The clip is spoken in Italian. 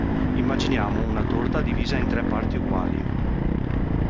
Immaginiamo una torta divisa in tre parti uguali.